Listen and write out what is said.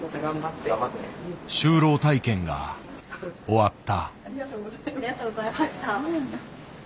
就労体験が終わった。